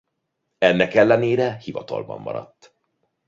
Ennek ellenére hivatalban maradt.